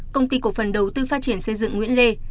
công ty cổ phần đầu tư phát triển xây dựng nguyễn lê